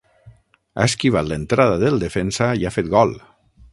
Ha esquivat l'entrada del defensa i ha fet gol.